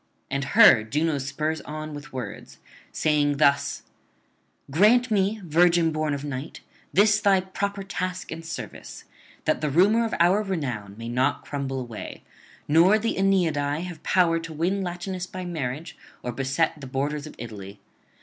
And her Juno spurs on with words, saying thus: 'Grant me, virgin born of Night, this thy proper task and service, that the rumour of our renown may not crumble away, nor the Aeneadae have power to win Latinus by marriage or beset the borders of Italy.